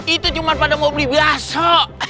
itu cuma pada mau beli biasa